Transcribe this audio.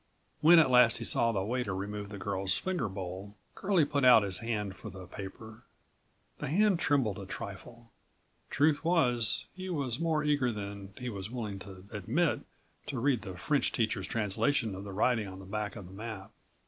When at last he saw the waiter remove the girl's finger bowl, Curlie put out his hand for the paper. The hand trembled a trifle. Truth was, he was more eager than he was willing to114 admit to read the French teacher's translation of the writing on the back of the map.